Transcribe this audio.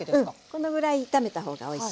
このぐらい炒めたほうがおいしい。